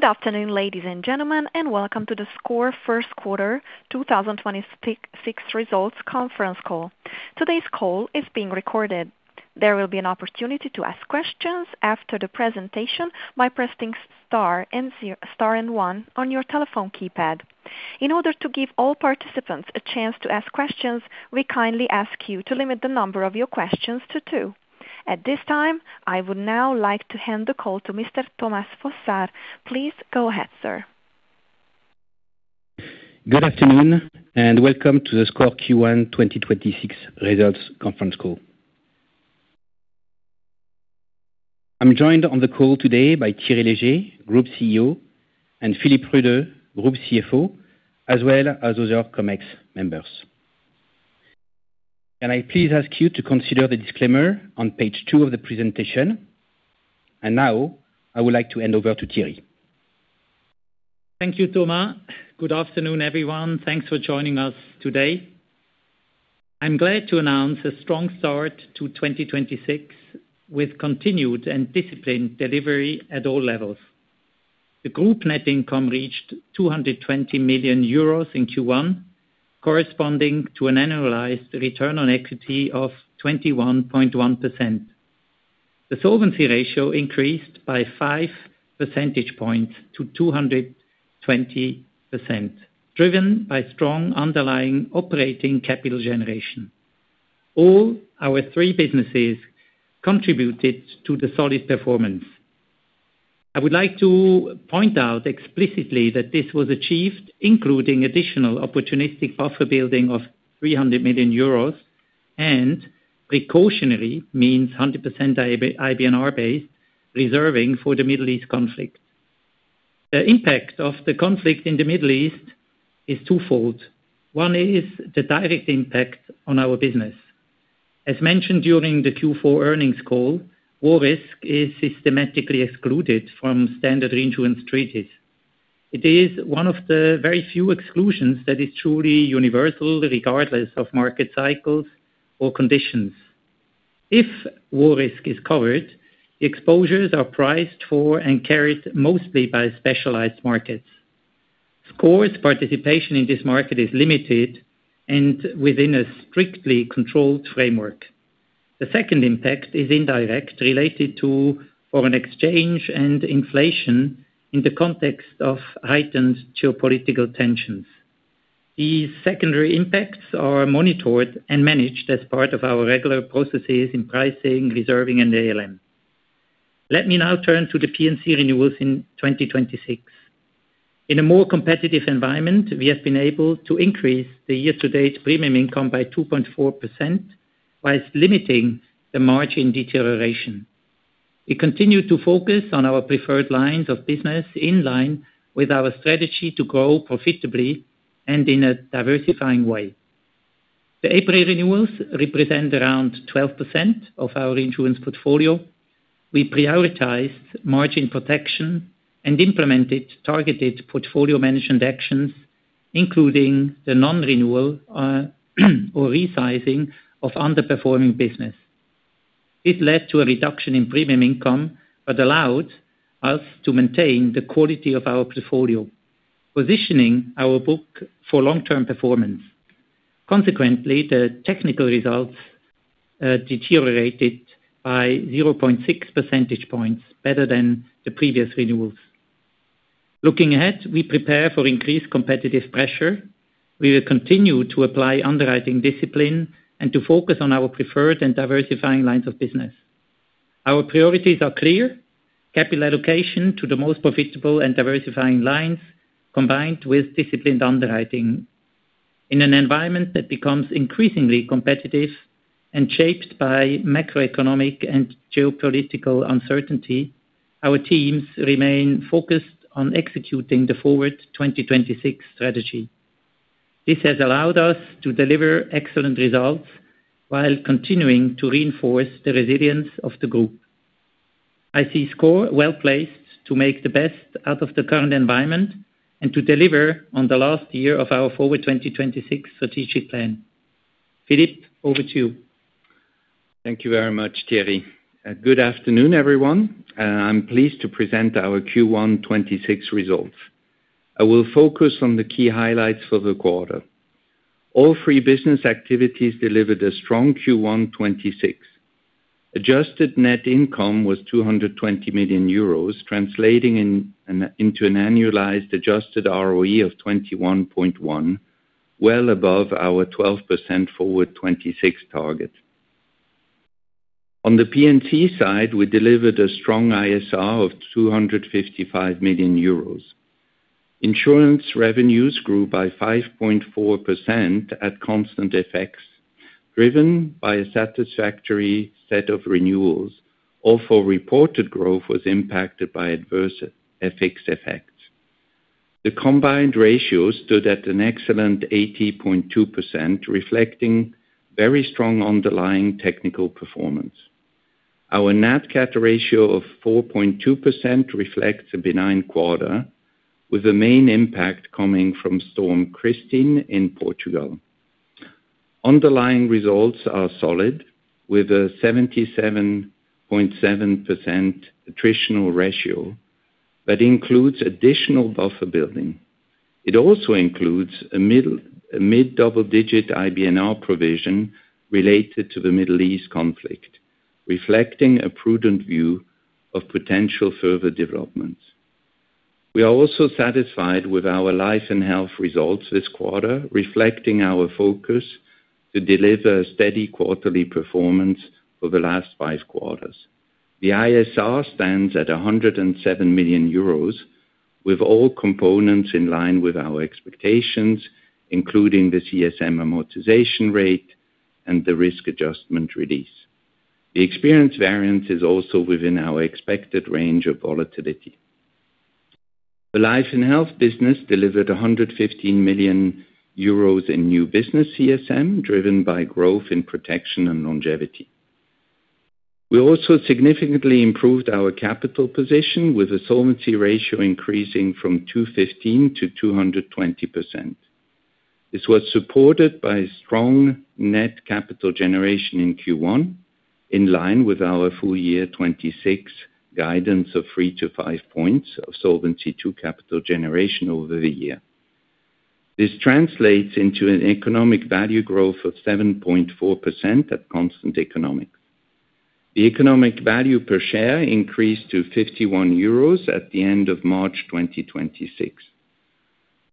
Good afternoon, ladies and gentlemen, and welcome to the SCOR first quarter 2026 results conference call. Today's call is being recorded. There will be an opportunity to ask questions after the presentation by pressing star and one on your telephone keypad. In order to give all participants a chance to ask questions, we kindly ask you to limit the number of your questions to two. At this time, I would now like to hand the call to Mr. Thomas Fossard. Please go ahead, sir. Good afternoon, and welcome to the SCOR Q1 2026 results conference call. I'm joined on the call today by Thierry Léger, Group CEO, and Philipp Rüede, Group CFO, as well as other COMEX members. Can I please ask you to consider the disclaimer on page two of the presentation? Now I would like to hand over to Thierry. Thank you, Thomas. Good afternoon, everyone. Thanks for joining us today. I'm glad to announce a strong start to 2026 with continued and disciplined delivery at all levels. The group net income reached 220 million euros in Q1, corresponding to an annualized return on equity of 21.1%. The solvency ratio increased by 5 percentage points to 220%, driven by strong underlying operating capital generation. All our three businesses contributed to the solid performance. I would like to point out explicitly that this was achieved, including additional opportunistic buffer building of 300 million euros and precautionary means 100% IBNR base reserving for the Middle East conflict. The impact of the conflict in the Middle East is twofold. One is the direct impact on our business. As mentioned during the Q4 earnings call, war risk is systematically excluded from standard reinsurance treaties. It is one of the very few exclusions that is truly universal regardless of market cycles or conditions. If war risk is covered, exposures are priced for and carried mostly by specialized markets. SCOR's participation in this market is limited and within a strictly controlled framework. The second impact is indirect, related to foreign exchange and inflation in the context of heightened geopolitical tensions. These secondary impacts are monitored and managed as part of our regular processes in pricing, reserving, and ALM. Let me now turn to the P&C renewals in 2026. In a more competitive environment, we have been able to increase the year-to-date premium income by 2.4% whilst limiting the margin deterioration. We continue to focus on our preferred lines of business in line with our strategy to grow profitably and in a diversifying way. The April renewals represent around 12% of our insurance portfolio. We prioritized margin protection and implemented targeted portfolio management actions, including the non-renewal, or resizing of underperforming business. It led to a reduction in premium income but allowed us to maintain the quality of our portfolio, positioning our book for long-term performance. Consequently, the technical results, deteriorated by 0.6 percentage points better than the previous renewals. Looking ahead, we prepare for increased competitive pressure. We will continue to apply underwriting discipline and to focus on our preferred and diversifying lines of business. Our priorities are clear. Capital allocation to the most profitable and diversifying lines, combined with disciplined underwriting. In an environment that becomes increasingly competitive and shaped by macroeconomic and geopolitical uncertainty, our teams remain focused on executing the Forward 2026 strategy. This has allowed us to deliver excellent results while continuing to reinforce the resilience of the group. I see SCOR well-placed to make the best out of the current environment and to deliver on the last year of our Forward 2026 strategic plan. Philipp, over to you. Thank you very much, Thierry. Good afternoon, everyone. I'm pleased to present our Q1 2026 results. I will focus on the key highlights for the quarter. All three business activities delivered a strong Q1 2026. Adjusted net income was 220 million euros, translating into an annualized adjusted ROE of 21.1%, well above our 12% Forward 2026 target. On the P&C side, we delivered a strong ISR of 255 million euros. Insurance revenues grew by 5.4% at constant FX, driven by a satisfactory set of renewals, although reported growth was impacted by adverse FX effects. The combined ratio stood at an excellent 80.2%, reflecting very strong underlying technical performance. Our nat cat ratio of 4.2% reflects a benign quarter, with the main impact coming from Storm Christine in Portugal. Underlying results are solid, with a 77.7% attritional ratio that includes additional buffer building. It also includes a mid-double-digit IBNR provision related to the Middle East conflict, reflecting a prudent view of potential further developments. We are also satisfied with our Life and Health results this quarter, reflecting our focus to deliver steady quarterly performance for the last five quarters. The ISR stands at 107 million euros, with all components in line with our expectations, including the CSM amortization rate and the risk adjustment release. The experience variance is also within our expected range of volatility. The Life and Health business delivered 115 million euros in new business CSM, driven by growth in protection and longevity. We also significantly improved our capital position, with the solvency ratio increasing from 215%-220%. This was supported by strong net capital generation in Q1, in line with our full year 2026 guidance of 3-5 points of Solvency II capital generation over the year. This translates into an economic value growth of 7.4% at constant economics. The economic value per share increased to 51 euros at the end of March 2026.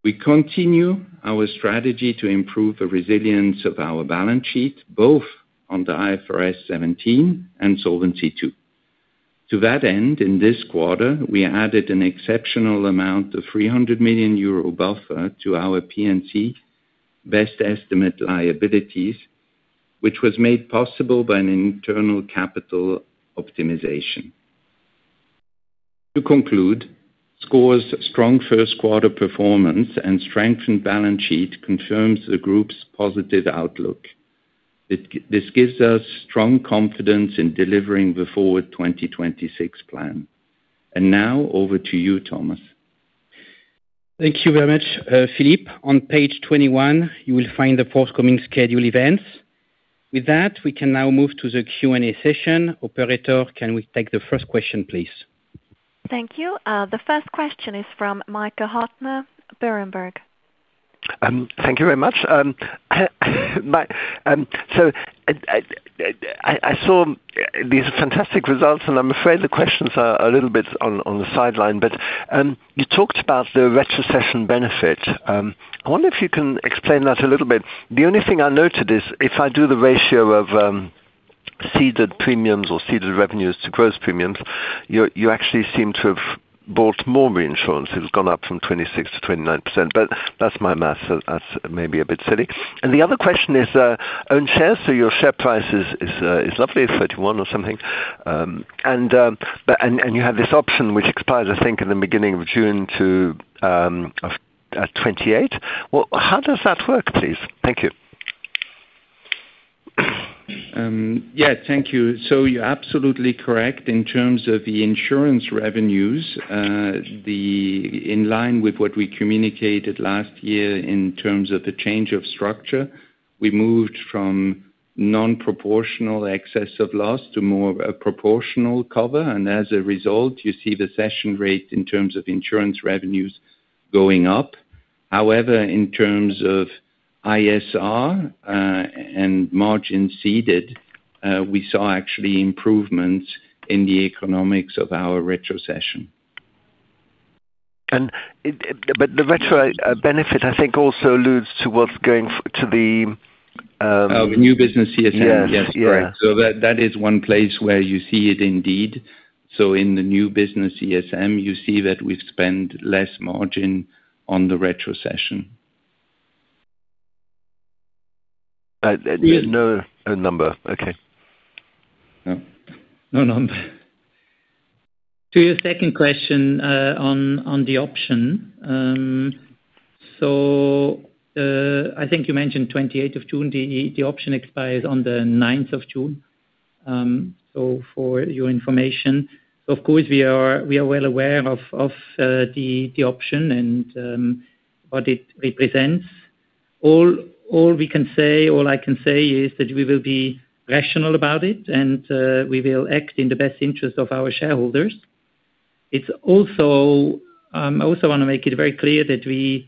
We continue our strategy to improve the resilience of our balance sheet, both on the IFRS 17 and Solvency II. To that end, in this quarter, we added an exceptional amount of 300 million euro buffer to our P&C best estimate liabilities, which was made possible by an internal capital optimization. To conclude, SCOR's strong first quarter performance and strengthened balance sheet confirms the group's positive outlook. This gives us strong confidence in delivering the Forward 2026 plan. Now over to you, Thomas. Thank you very much, Philipp. On page 21, you will find the forthcoming schedule events. With that, we can now move to the Q&A session. Operator, can we take the first question, please? Thank you. The first question is from Michael Huttner, Berenberg. Thank you very much. I saw these fantastic results, I'm afraid the questions are a little bit on the sideline. You talked about the retrocession benefit. I wonder if you can explain that a little bit. The only thing I noted is if I do the ratio of ceded premiums or ceded revenues to gross premiums, you actually seem to have bought more reinsurance. It's gone up from 26%-29%, that's my math, that's maybe a bit silly. The other question is own shares. Your share price is lovely, 31 or something. You have this option which expires, I think, in the beginning of June 28. Well, how does that work, please? Thank you. Yeah, thank you. You're absolutely correct in terms of the insurance revenues. In line with what we communicated last year in terms of the change of structure, we moved from non-proportional excess of loss to more of a proportional cover. As a result, you see the cession rate in terms of insurance revenues going up. However, in terms of ISR, and margin ceded, we saw actually improvements in the economics of our retrocession. It, but the retro benefit, I think, also alludes to what's going to the. Of new business CSM. Yes. Yeah. Yes, correct. That is one place where you see it indeed. In the new business CSM, you see that we've spent less margin on the retrocession. There's no number. Okay. No. No number. To your second question, on the option. I think you mentioned June 28. The option expires on the June 9, for your information. Of course, we are well aware of the option and what it represents. All we can say, all I can say is that we will be rational about it, and we will act in the best interest of our shareholders. It's also, I also wanna make it very clear that we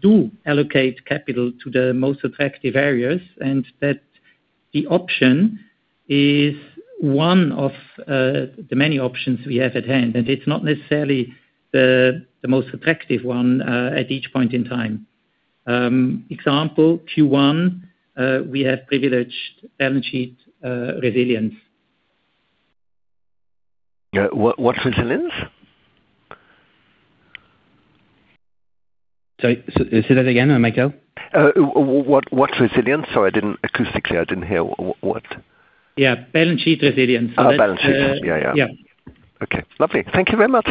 do allocate capital to the most attractive areas, and that the option is one of the many options we have at hand, and it's not necessarily the most attractive one at each point in time. Example, Q1, we have privileged balance sheet resilience. What's resilience? Sorry, say that again, Michael. What's resilience? Sorry, I didn't, acoustically, I didn't hear what. Yeah, balance sheet resilience. Balance sheet. That. Yeah, yeah. Yeah. Okay. Lovely. Thank you very much.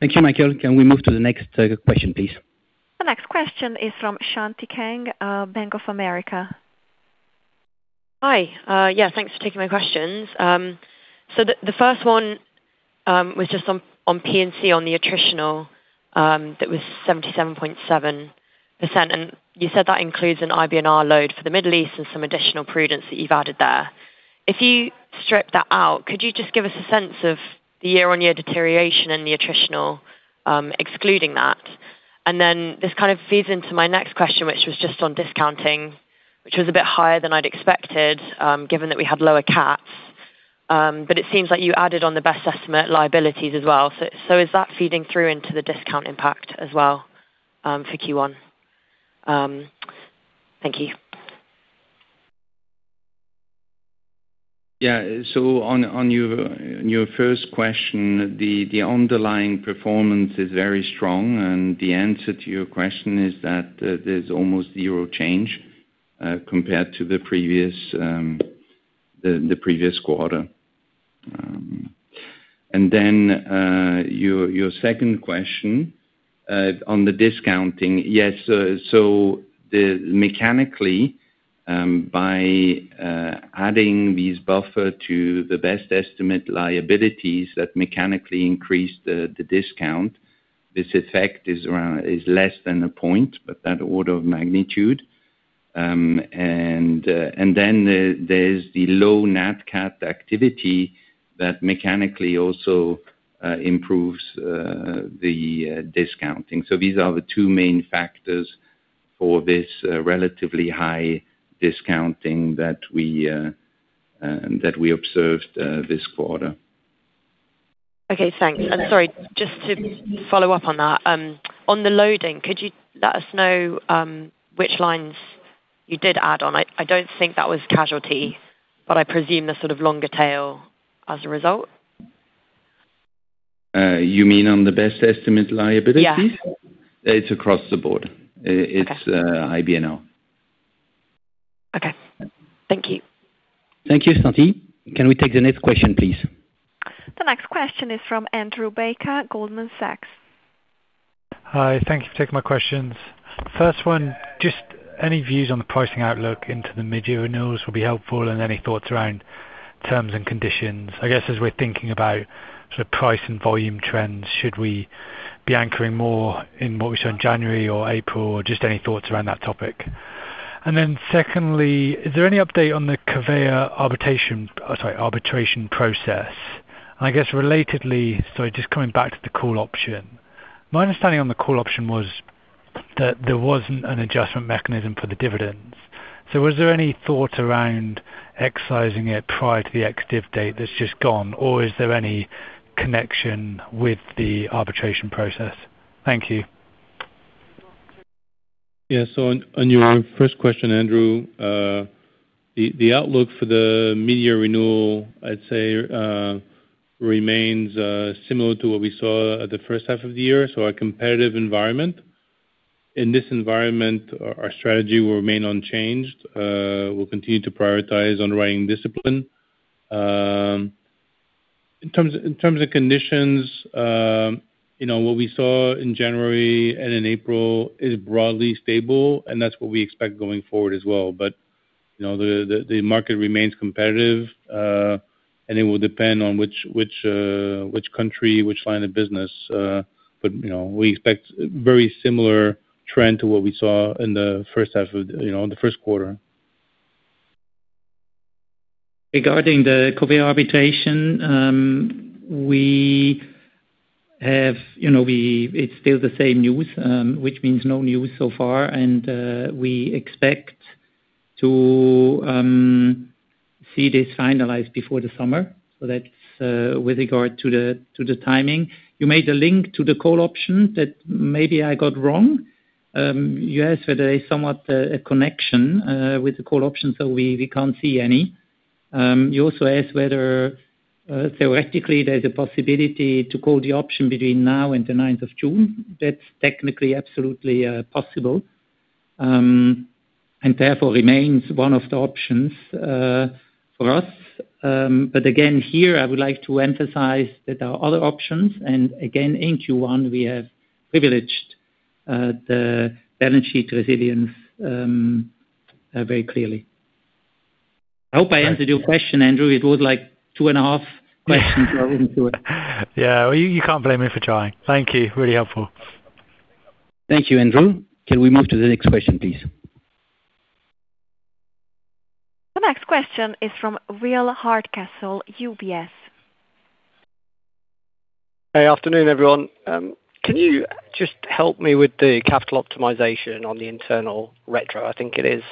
Thank you, Michael. Can we move to the next question, please? The next question is from Shanti Kang, Bank of America. Hi. Yeah, thanks for taking my questions. The first one was just on P&C on the attritional, that was 77.7%. You said that includes an IBNR load for the Middle East and some additional prudence that you've added there. If you strip that out, could you just give us a sense of the year-on-year deterioration in the attritional, excluding that? This kind of feeds into my next question, which was just on discounting, which was a bit higher than I'd expected, given that we had lower cats. It seems like you added on the best estimate liabilities as well. Is that feeding through into the discount impact as well for Q1? Thank you. Yeah. On your first question, the underlying performance is very strong, and the answer to your question is that there's almost zero change compared to the previous quarter. Then your second question on the discounting. Yes. Mechanically by adding these buffer to the best estimate liabilities that mechanically increase the discount, this effect is around, is less than 1 point, but that order of magnitude. Then there's the low nat cat activity that mechanically also improves the discounting. These are the two main factors for this relatively high discounting that we observed this quarter. Okay, thanks. I'm sorry. Just to follow up on that, on the loading, could you let us know, which lines you did add on? I don't think that was casualty, but I presume the sort of longer tail as a result. You mean on the best estimate liabilities? Yeah. It's across the board. Okay. It's IBNR. Okay. Thank you. Thank you, Shanti. Can we take the next question, please? The next question is from Andrew Baker, Goldman Sachs. Hi. Thank you for taking my questions. First one, just any views on the pricing outlook into the midyear renewals will be helpful and any thoughts around terms and conditions. I guess, as we're thinking about sort of price and volume trends, should we be anchoring more in what we saw in January or April? Just any thoughts around that topic. Secondly, is there any update on the Covéa arbitration process? I guess relatedly, just coming back to the call option. My understanding on the call option was that there wasn't an adjustment mechanism for the dividends. Was there any thought around excising it prior to the ex-div date that's just gone, or is there any connection with the arbitration process? Thank you. On your first question, Andrew, the outlook for the mid-year renewal, I'd say, remains similar to what we saw at the 1st half of the year. A competitive environment. In this environment, our strategy will remain unchanged. We'll continue to prioritize underwriting discipline. In terms of conditions, you know, what we saw in January and in April is broadly stable, and that's what we expect going forward as well. You know, the market remains competitive, and it will depend on which country, which line of business. You know, we expect very similar trend to what we saw in the 1st half, in the 1st quarter. Regarding the Covéa arbitration, we have you know, it's still the same news, which means no news so far. We expect to see this finalized before the summer. That's with regard to the timing. You made a link to the call option that maybe I got wrong. You asked whether there is somewhat a connection with the call option, we can't see any. You also asked whether theoretically there's a possibility to call the option between now and the ninth of June. That's technically absolutely possible, therefore remains one of the options for us. Again, here, I would like to emphasize that there are other options. Again, in Q1 we have privileged the balance sheet resilience very clearly. I hope I answered your question, Andrew. It was like two and a half questions rolled into one. Yeah. Well, you can't blame me for trying. Thank you. Really helpful. Thank you, Andrew. Can we move to the next question, please? The next question is from Will Hardcastle, UBS. Hey. Afternoon, everyone. Can you just help me with the capital optimization on the internal retro, I think it is?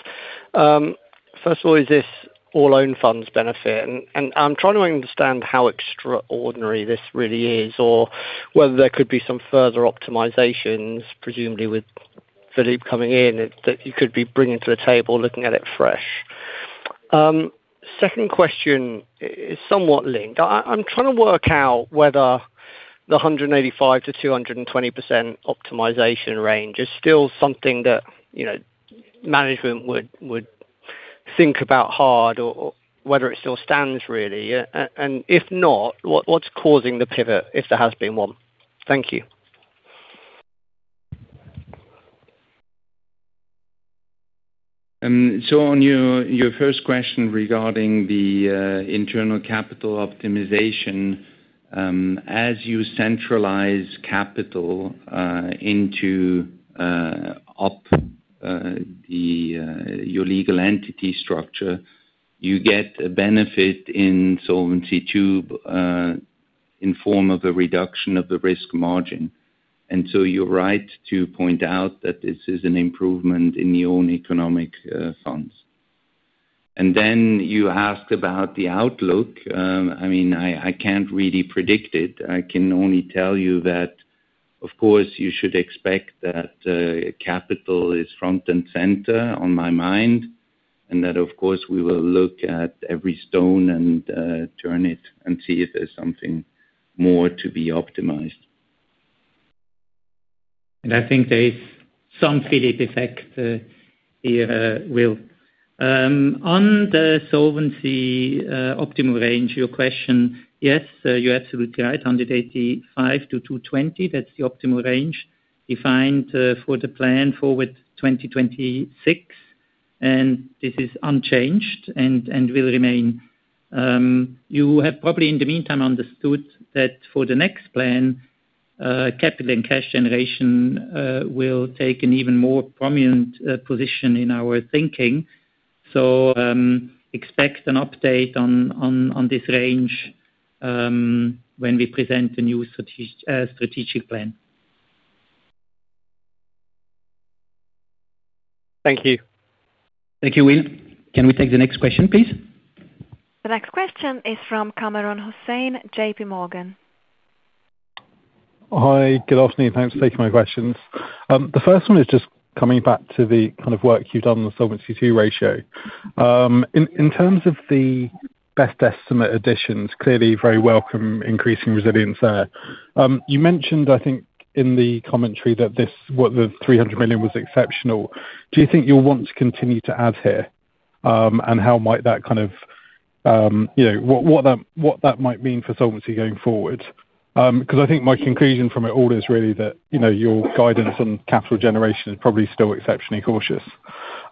First of all, is this all own funds benefit? And I'm trying to understand how extraordinary this really is or whether there could be some further optimizations, presumably with Philipp coming in, that he could be bringing to the table, looking at it fresh. Second question is somewhat linked. I'm trying to work out whether the 185%-220% optimization range is still something that, you know, management would think about hard or whether it still stands really. And if not, what's causing the pivot, if there has been one? Thank you. On your first question regarding the internal capital optimization, as you centralize capital into the legal entity structure, you get a benefit in Solvency II in form of a reduction of the risk margin. You're right to point out that this is an improvement in your own economic funds. You asked about the outlook. I mean, I can't really predict it. I can only tell you that, of course, you should expect that capital is front and center on my mind, and that of course, we will look at every stone and turn it and see if there's something more to be optimized. I think there is some Philipp effect here, Will. On the solvency optimal range, your question, yes, you're absolutely right, 185%-220%, that's the optimal range defined for the plan Forward 2026. This is unchanged and will remain. You have probably, in the meantime, understood that for the next plan, capital and cash generation will take an even more prominent position in our thinking. Expect an update on this range when we present the new strategic plan. Thank you. Thank you, Will. Can we take the next question, please? The next question is from Kamran Hossain, JPMorgan. Hi. Good afternoon. Thanks for taking my questions. The first one is just coming back to the kind of work you've done on the Solvency II ratio. In terms of the best estimate additions, clearly very welcome increasing resilience there. You mentioned, I think in the commentary that what the 300 million was exceptional. Do you think you'll want to continue to add here? How might that kind of, you know, what that might mean for solvency going forward? 'Cause I think my conclusion from it all is really that, you know, your guidance on capital generation is probably still exceptionally cautious.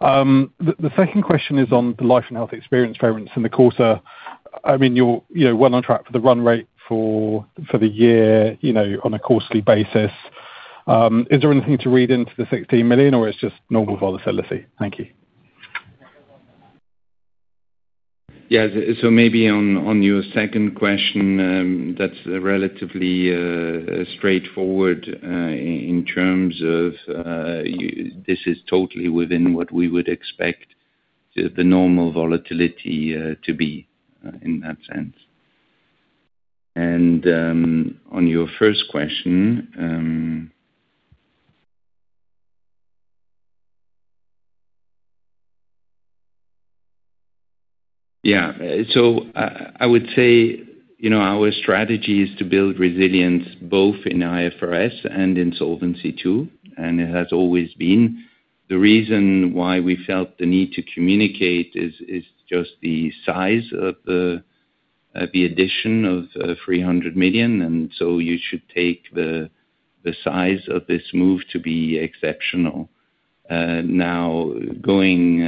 The second question is on the Life and Health experience variance in the quarter. I mean, you're, you know, well on track for the run rate for the year, you know, on a quarterly basis. Is there anything to read into the 16 million or it's just normal volatility? Thank you. Yes. Maybe on your second question, that's relatively straightforward in terms of this is totally within what we would expect the normal volatility to be in that sense. On your first question, Yeah. I would say, you know, our strategy is to build resilience both in IFRS and in Solvency II, and it has always been. The reason why we felt the need to communicate is just the size of the addition of 300 million, you should take the size of this move to be exceptional. Now, going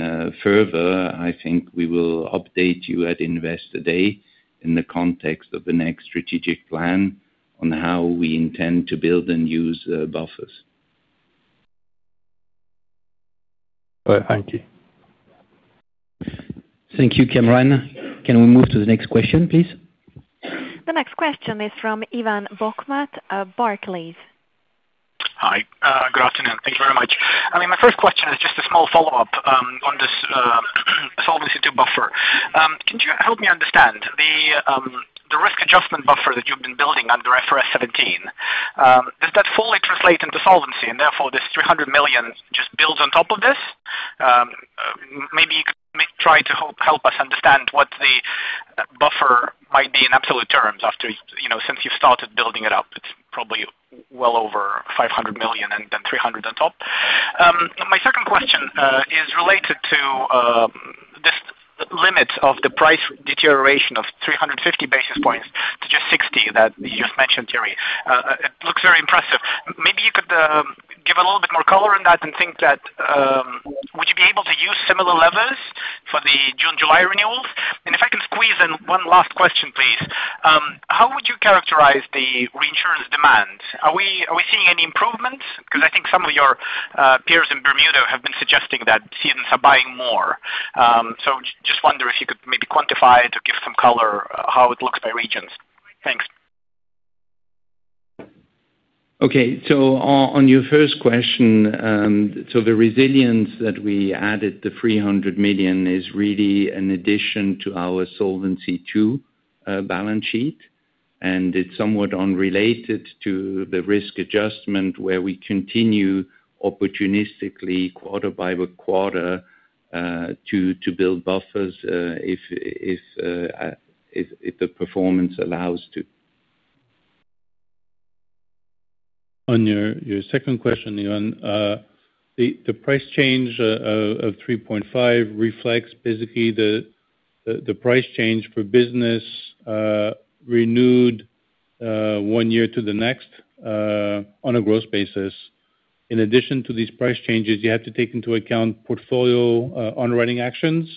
further, I think we will update you at Investor Day in the context of the next strategic plan on how we intend to build and use buffers. All right. Thank you. Thank you, Kamran. Can we move to the next question, please? The next question is from Ivan Bokhmat, Barclays. Hi. Good afternoon. Thank you very much. I mean, my first question is just a small follow-up on this Solvency II buffer. Can you help me understand the risk adjustment buffer that you've been building under IFRS 17, does that fully translate into solvency, and therefore this 300 million just builds on top of this? Maybe you could try to help us understand what the buffer might be in absolute terms after, you know, since you started building it up, it's probably well over 500 million and then 300 on top. My second question is related to this limit of the price deterioration of 350 basis points to just 60 that you've mentioned, Thierry. It looks very impressive. Maybe you could give a little bit more color on that and think that, would you be able to use similar levers for the June, July renewals? If I can squeeze in one last question, please. How would you characterize the reinsurance demand? Are we seeing any improvements? Because I think some of your peers in Bermuda have been suggesting that cedes are buying more. Just wonder if you could maybe quantify it or give some color how it looks by regions. Thanks. Okay. On your first question, the resilience that we added, the 300 million is really an addition to our Solvency II balance sheet. It's somewhat unrelated to the risk adjustment, where we continue opportunistically, quarter-by-quarter, to build buffers if the performance allows to. On your second question, Ivan, the price change of 3.5 reflects basically the price change for business renewed. One year to the next, on a growth basis. In addition to these price changes, you have to take into account portfolio, underwriting actions,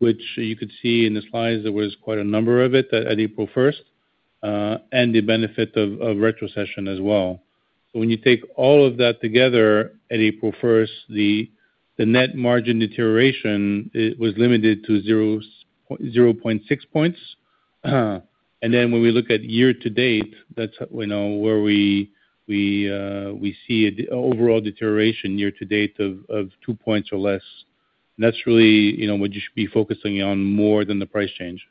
which you could see in the slides there was quite a number of it at April 1st, and the benefit of retrocession as well. When you take all of that together at April 1st, the net margin deterioration it was limited to 0.6 points. When we look at year-to-date, that's, you know, where we see an overall deterioration year to date of 2 points or less. That's really, you know, what you should be focusing on more than the price change.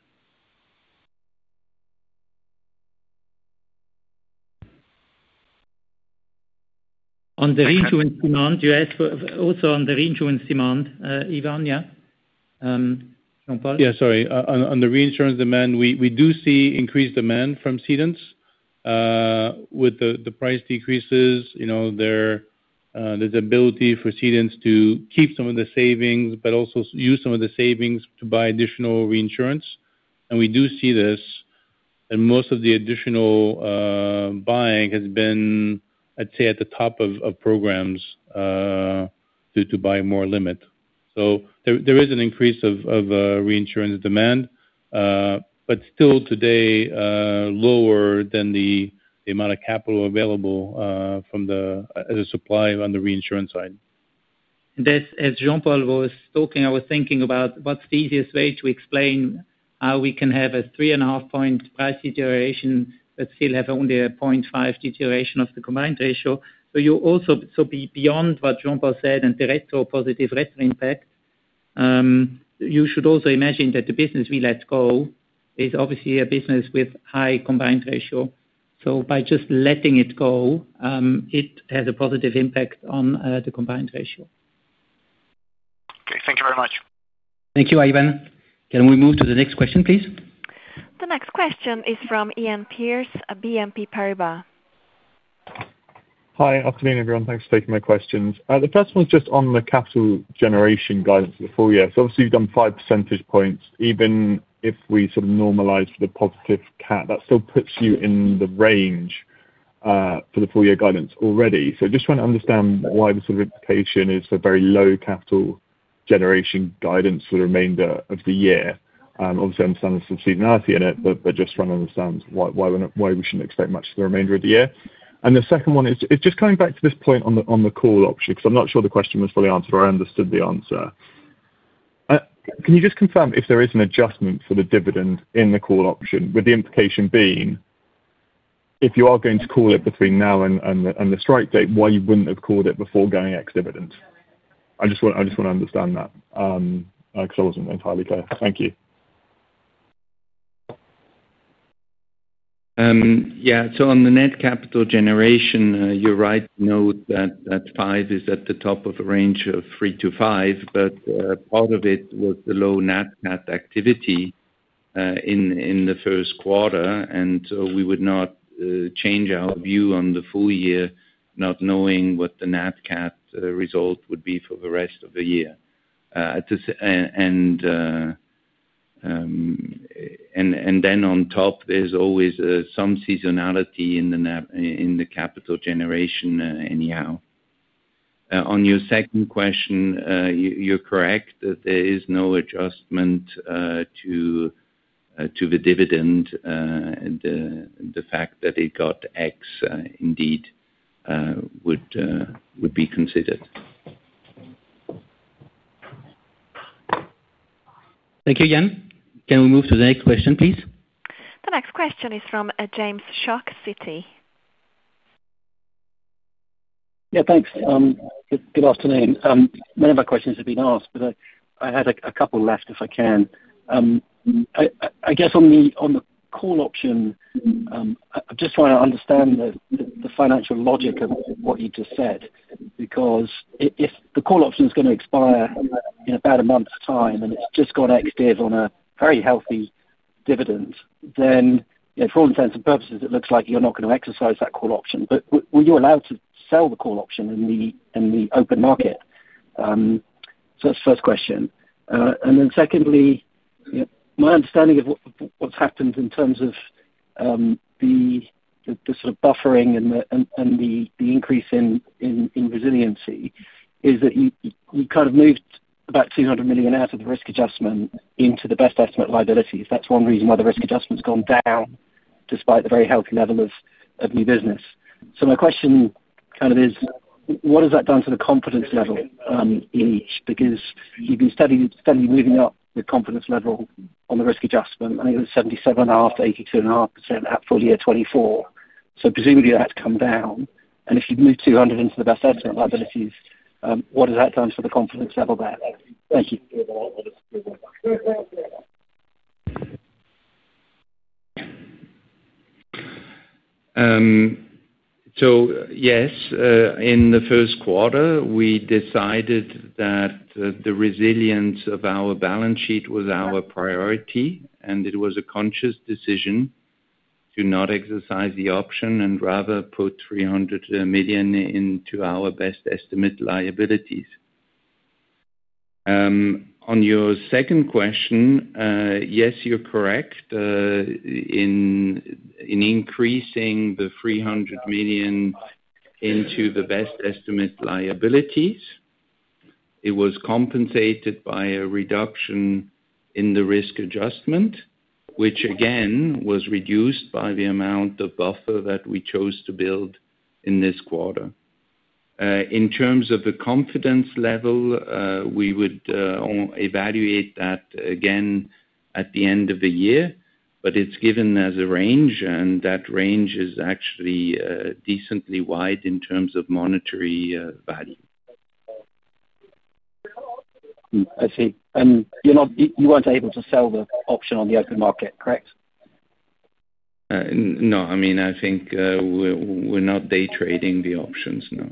On the reinsurance demand, you asked for also on the reinsurance demand, Ivan, yeah? Jean-Paul? Yeah, sorry. On the reinsurance demand, we do see increased demand from cedants. With the price decreases, you know, there's ability for cedants to keep some of the savings, but also use some of the savings to buy additional reinsurance. We do see this, and most of the additional buying has been, I'd say, at the top of programs, to buy more limit. There is an increase of reinsurance demand, but still today, lower than the amount of capital available from the supply on the reinsurance side. As Jean-Paul was talking, I was thinking about what's the easiest way to explain how we can have a 3.5 point price deterioration but still have only a 0.5 deterioration of the combined ratio. Beyond what Jean-Paul said and the positive retro impact, you should also imagine that the business we let go is obviously a business with high combined ratio. By just letting it go, it has a positive impact on the combined ratio. Okay, thank you very much. Thank you, Ivan. Can we move to the next question, please? The next question is from Iain Pearce at BNP Paribas. Hi. Afternoon, everyone. Thanks for taking my questions. The first one's just on the capital generation guidance for the full year. Obviously you've done 5 percentage points. Even if we sort of normalize the positive cap, that still puts you in the range for the full year guidance already. Just want to understand why the sort of implication is for very low capital generation guidance for the remainder of the year. Obviously I'm seeing some seasonality in it, but just trying to understand why we're not, why we shouldn't expect much for the remainder of the year. The second one is just coming back to this point on the call option, because I'm not sure the question was fully answered or I understood the answer. Can you just confirm if there is an adjustment for the dividend in the call option, with the implication being if you are going to call it between now and the, and the strike date, why you wouldn't have called it before going ex-dividend? I just want to understand that 'cause I wasn't entirely clear. Thank you. On the net capital generation, you're right to note that 5 is at the top of a range of 3-5, part of it was the low nat cat activity in the first quarter. We would not change our view on the full year not knowing what the nat cat result would be for the rest of the year. On top, there's always some seasonality in the capital generation anyhow. On your second question, you're correct that there is no adjustment to the dividend, and the fact that it got ex indeed would be considered. Thank you, Iain. Can we move to the next question, please? The next question is from James Shuck, Citi. Yeah, thanks. good afternoon. Many of our questions have been asked, but I had a couple left, if I can. I guess on the call option, I just want to understand the financial logic of what you just said, because if the call option's gonna expire in about a month's time and it's just gone ex div on a very healthy dividend, then you know, for all intents and purposes, it looks like you're not gonna exercise that call option. Were you allowed to sell the call option in the open market? That's the first question. Secondly, you know, my understanding of what's happened in terms of the sort of buffering and the increase in resiliency is that you moved about 200 million out of the risk adjustment into the best estimate liabilities. That's one reason why the risk adjustment's gone down despite the very healthy level of new business. My question kind of is what has that done to the confidence level in each? Because you've been steadily moving up the confidence level on the risk adjustment. I think it was 77.5%-82.5% at full-year 2024. Presumably that's come down. If you've moved 200 million into the best estimate liabilities, what has that done to the confidence level there? Thank you. Yes, in the first quarter we decided that the resilience of our balance sheet was our priority, and it was a conscious decision to not exercise the option and rather put 300 million into our best estimate liabilities. On your second question, yes, you're correct. In increasing the 300 million into the best estimate liabilities, it was compensated by a reduction in the risk adjustment. Which again, was reduced by the amount of buffer that we chose to build in this quarter. In terms of the confidence level, we would evaluate that again at the end of the year, but it's given as a range, and that range is actually decently wide in terms of monetary value. I see. You weren't able to sell the option on the open market, correct? No. I mean, I think, we're not day trading the options, no.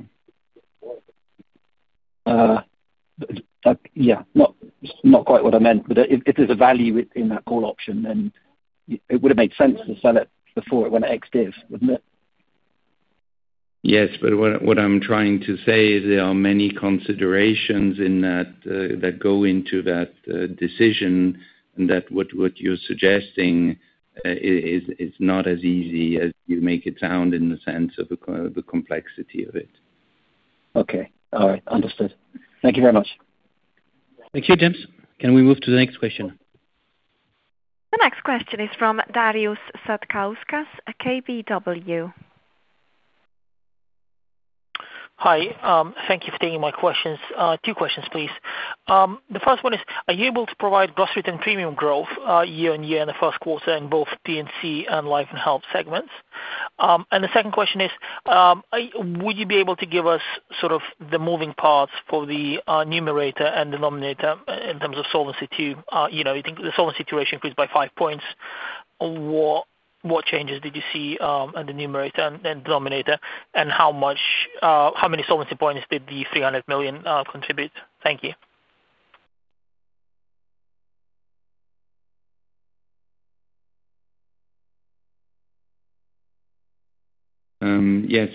Yeah. Not quite what I meant. If there's a value in that call option, it would have made sense to sell it before it went ex-div, wouldn't it? Yes. what I'm trying to say is there are many considerations in that that go into that decision and what you're suggesting is not as easy as you make it sound in the sense of the complexity of it. Okay. All right. Understood. Thank you very much. Thank you, James. Can we move to the next question? The next question is from Darius Satkauskas, KBW. Hi. Thank you for taking my questions. Two questions, please. The first one is, are you able to provide gross written premium growth year on year in the first quarter in both P&C and Life and Health segments? The second question is, would you be able to give us sort of the moving parts for the numerator and denominator in terms of Solvency II? You know, I think the solvency ratio increased by 5 points. What changes did you see on the numerator and then denominator, how many solvency points did the EUR 300 million contribute? Yes.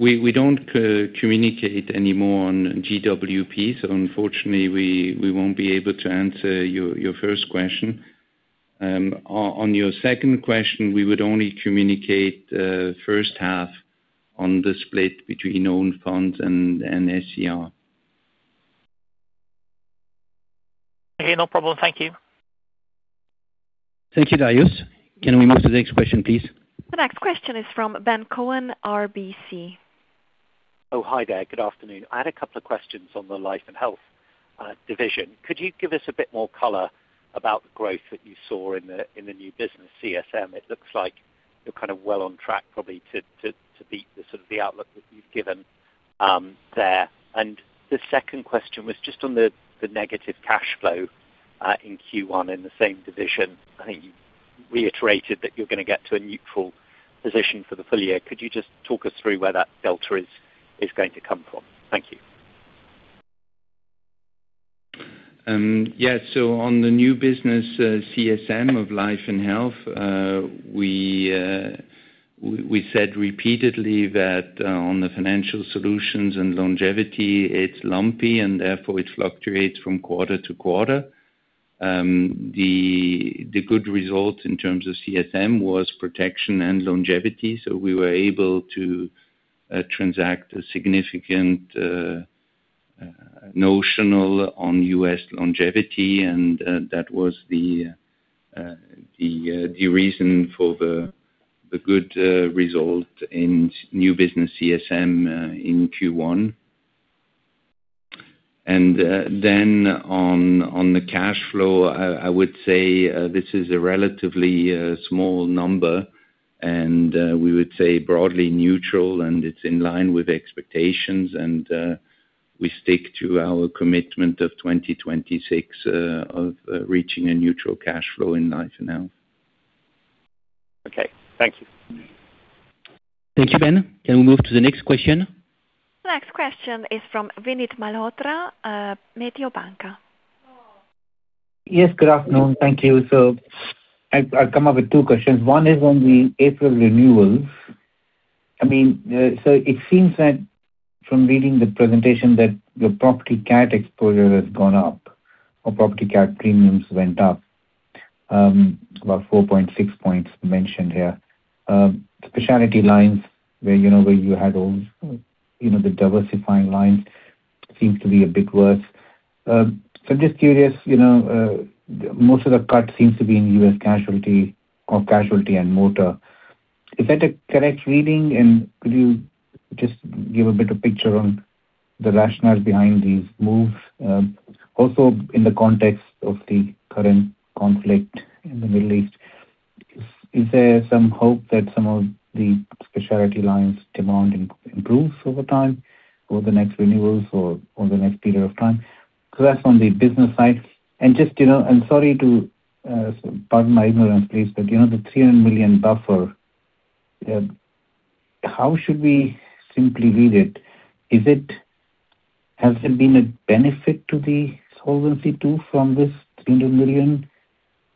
We don't communicate anymore on GWP, so unfortunately we won't be able to answer your first question. On your second question, we would only communicate first half on the split between own funds and SCR. Okay, no problem. Thank you. Thank you, Darius. Can we move to the next question, please? The next question is from Ben Cohen, RBC. Oh, hi there. Good afternoon. I had a couple of questions on the Life and Health division. Could you give us a bit more color about the growth that you saw in the new business CSM? It looks like you're kind of well on track probably to beat the sort of the outlook that you've given there. The second question was just on the negative cash flow in Q1 in the same division. I think you reiterated that you're gonna get to a neutral position for the full year. Could you just talk us through where that delta is going to come from? Thank you. On the new business CSM of Life and Health, we said repeatedly that on the Financial Solutions and Longevity, it's lumpy and therefore it fluctuates from quarter-to-quarter. The good result in terms of CSM was protection and longevity. We were able to transact a significant notional on U.S. longevity, and that was the reason for the good result in new business CSM in Q1. On the cash flow, I would say this is a relatively small number and we would say broadly neutral, and it's in line with expectations and we stick to our commitment of 2026 of reaching a neutral cash flow in Life and Health. Okay. Thank you. Thank you, Ben. Can we move to the next question? Next question is from Vinit Malhotra, Mediobanca. Yes. Good afternoon. Thank you. I'll come up with two questions. One is on the April renewals. I mean, it seems that from reading the presentation that your property cat exposure has gone up or property cat premiums went up, about 4.6 points mentioned here. Specialty lines where, you know, where you had all, you know, the diversifying lines seems to be a bit worse. Just curious, you know, most of the cut seems to be in U.S. casualty or casualty and motor. Is that a correct reading, and could you just give a bit of picture on the rationale behind these moves, also in the context of the current conflict in the Middle East? Is there some hope that some of the specialty lines demand improves over time or the next renewals or over the next period of time? That's on the business side. Just, you know, sorry to pardon my ignorance, please, but you know, the 300 million buffer, how should we simply read it? Has there been a benefit to the Solvency II from this 300 million?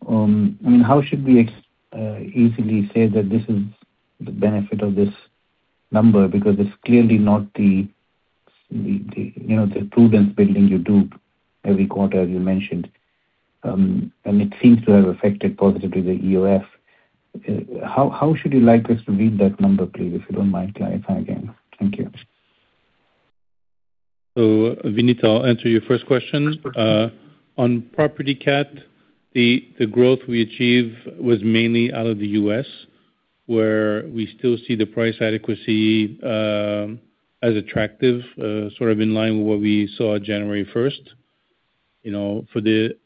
I mean, how should we easily say that this is the benefit of this number? It's clearly not the, you know, the prudence building you do every quarter as you mentioned. It seems to have affected positively the EOF. How should you like us to read that number, please, if you don't mind clarifying again? Thank you. Vinit, I'll answer your first question. First question. On property CAT, the growth we achieved was mainly out of the U.S., where we still see the price adequacy as attractive, sort of in line with what we saw January 1st. You know, for the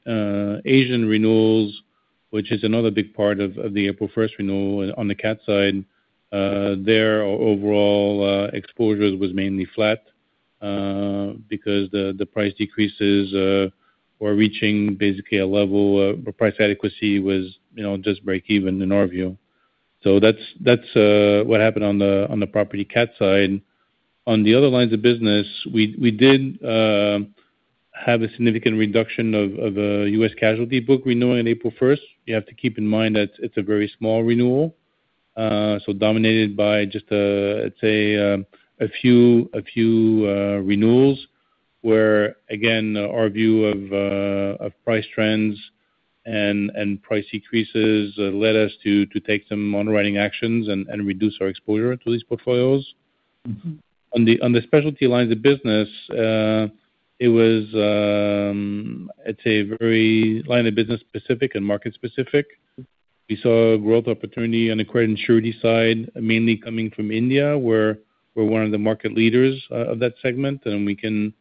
Asian renewals, which is another big part of the April 1st renewal on the CAT side, their overall exposures was mainly flat, because the price decreases were reaching basically a level of where price adequacy was, you know, just break even in our view. That's what happened on the property CAT side. On the other lines of business, we did have a significant reduction of U.S. casualty book renewing April 1st. You have to keep in mind that it's a very small renewal, so dominated by just a, let's say, a few renewals, where again, our view of price trends and price increases led us to take some underwriting actions and reduce our exposure to these portfolios. On the specialty lines of business, it was, I'd say very line of business specific and market specific. We saw a growth opportunity on the credit and surety side, mainly coming from India, where we're one of the market leaders of that segment, and we can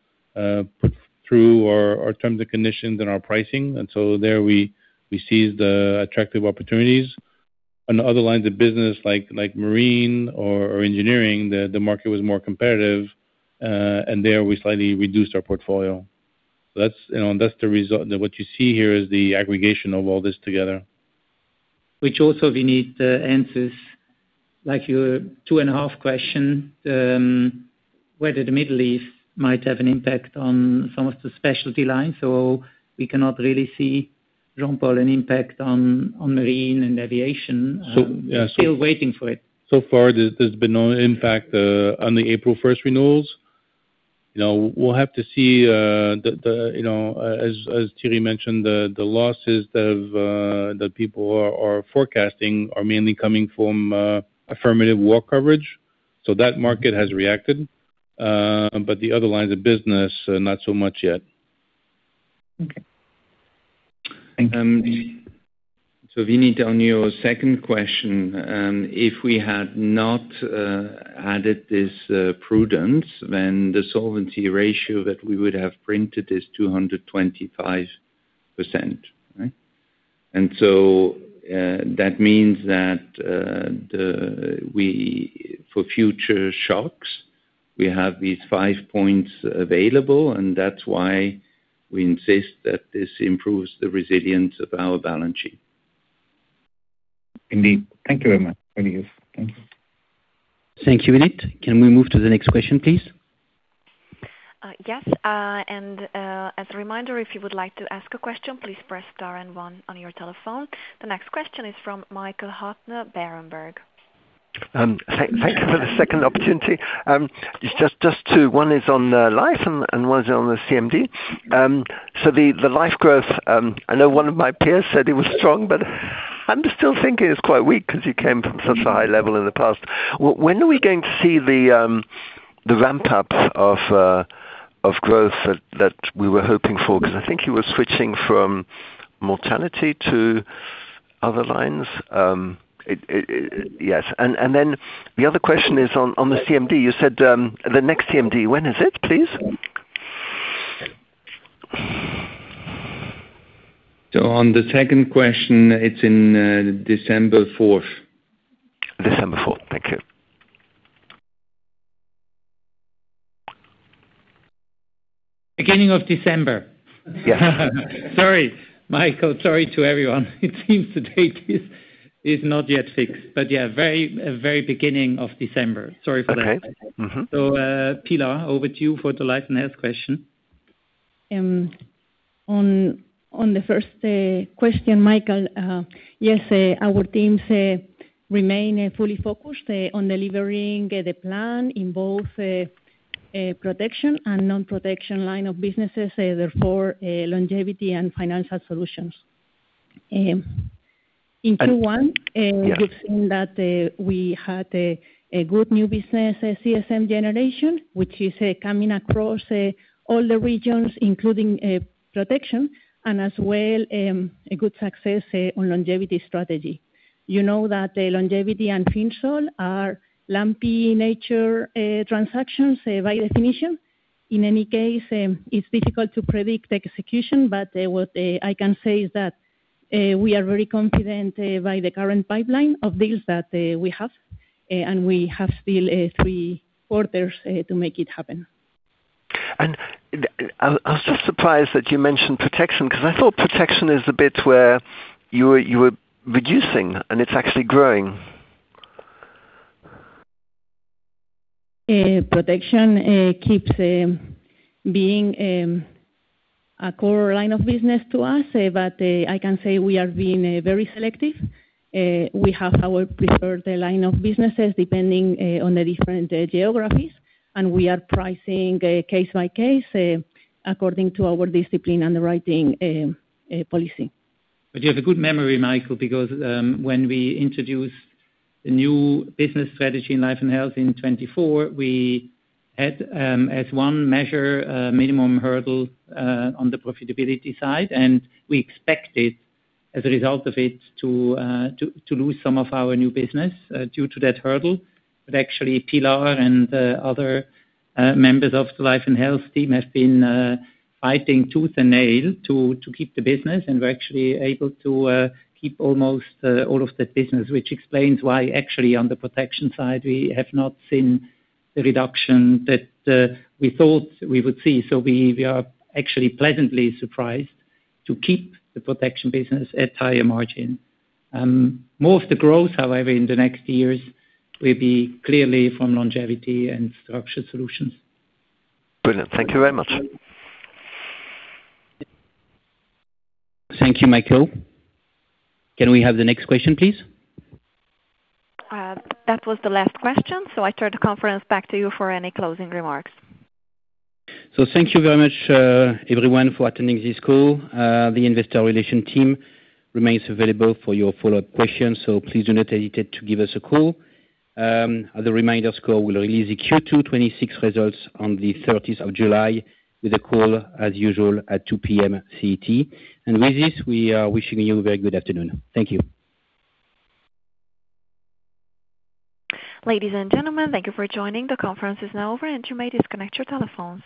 put through our terms and conditions and our pricing. There we seized attractive opportunities. On the other lines of business, like marine or engineering, the market was more competitive, and there we slightly reduced our portfolio. That's, you know, and that's what you see here is the aggregation of all this together. Which also, Vinit, answers, like, your 2.5 question, whether the Middle East might have an impact on some of the specialty lines. We cannot really see, Jean-Paul, an impact on marine and aviation. Yeah. We're still waiting for it. So far there's been no impact on the April 1st renewals. You know, we'll have to see, you know, as Thierry mentioned, the losses that have that people are forecasting are mainly coming from affirmative war coverage. That market has reacted. The other lines of business not so much yet. Okay. Thank you. Vinit, on your second question, if we had not added this prudence, then the solvency ratio that we would have printed is 225%, right? That means that we for future shocks, we have these 5 points available, and that's why we insist that this improves the resilience of our balance sheet. Indeed. Thank you very much. Thank you. Thank you, Vinit. Can we move to the next question, please? Yes. As a reminder, if you would like to ask a question, please press star and one on your telephone. The next question is from Michael Huttner, Berenberg. Thank you for the second opportunity. It's just two. One is on life and one is on the CMD. The life growth, I know one of my peers said it was strong, but I'm still thinking it's quite weak 'cause you came from such a high level in the past. When are we going to see the ramp up of growth that we were hoping for? 'Cause I think you were switching from mortality to other lines. Yes. Then the other question is on the CMD. You said the next CMD, when is it, please? On the second question, it's in December 4th. December 4th. Thank you. Beginning of December. Yeah. Sorry, Michael. Sorry to everyone. It seems the date is not yet fixed. Yeah, very beginning of December. Sorry for that. Okay. Mm-hmm. Pilar, over to you for the Life and Health question. On the first question, Michael, yes, our teams remain fully focused on delivering the plan in both protection and non-protection line of businesses, therefore, Longevity and Financial Solutions. Yeah. We've seen that we had a good new business CSM generation, which is coming across all the regions, including protection, and as well, a good success on longevity strategy. You know that Longevity and FinSol are lumpy in nature transactions by definition. In any case, it's difficult to predict execution, but what I can say is that we are very confident by the current pipeline of deals that we have, and we have still three quarters to make it happen. I was just surprised that you mentioned protection, because I thought protection is the bit where you were reducing, and it is actually growing. Protection keeps being a core line of business to us. I can say we are being very selective. We have our preferred line of businesses depending on the different geographies, and we are pricing case by case according to our discipline underwriting policy. You have a good memory, Michael, because when we introduced the new business strategy in Life and Health in 2024, we had, as one measure, a minimum hurdle on the profitability side. We expected as a result of it to lose some of our new business due to that hurdle. Actually, Pilar and other members of the Life and Health team have been fighting tooth and nail to keep the business. We're actually able to keep almost all of that business, which explains why actually on the protection side we have not seen the reduction that we thought we would see. We are actually pleasantly surprised to keep the protection business at higher margin. Most of the growth, however, in the next years will be clearly from longevity and structured solutions. Brilliant. Thank you very much. Thank you, Michael. Can we have the next question, please? That was the last question, so I turn the conference back to you for any closing remarks. Thank you very much, everyone for attending this call. The investor relation team remains available for your follow-up questions. Please do not hesitate to give us a call. As a reminder call, we'll release the Q2 2026 results on the July 30th with a call as usual at 2:00 P.M. CET. With this, we are wishing you a very good afternoon. Thank you. Ladies and gentlemen, thank you for joining. The conference is now over, and you may disconnect your telephones.